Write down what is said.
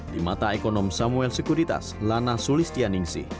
di mata ekonom samuel sekuritas lana sulistianingsi